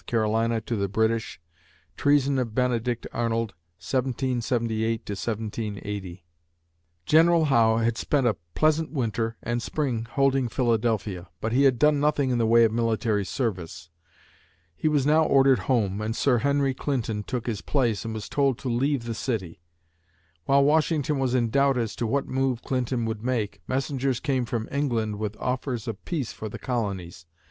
C., TO THE BRITISH TREASON OF BENEDICT ARNOLD 1778 1780 [Illustration: Molly Pitcher] General Howe had spent a pleasant winter and spring holding Philadelphia, but he had done nothing in the way of military service. He was now ordered home and Sir Henry Clinton took his place and was told to leave the city. While Washington was in doubt as to what move Clinton would make, messengers came from England with offers of peace for the colonies.